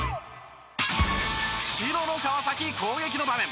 白の川崎攻撃の場面。